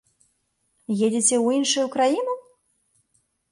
Едзеце ў іншую краіну?